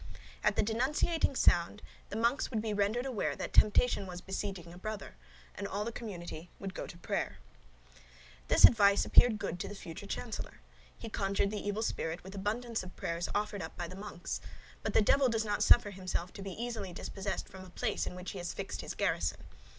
At the denunciating sound, the monks would be rendered aware that temptation was besieging a brother, and all the community would go to prayers. This advice appeared good to the future chancellor. He conjured the evil spirit with abundance of prayers offered up by the monks. But the devil does not suffer himself to be easily dispossessed from a place in which he has fixed his garrison.